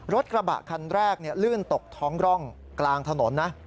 รถกระบะคันแรกลื่นตกท้องร่องกลางถนนนะ